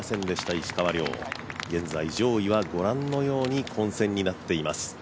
石川遼、現在、上位はご覧のように混戦になっています。